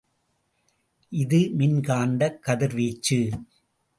இது மின்காந்தக் கதிர்வீச்சு.